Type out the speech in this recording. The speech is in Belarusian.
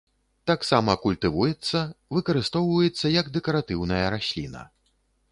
Таксама культывуецца, выкарыстоўваецца як дэкаратыўная расліна.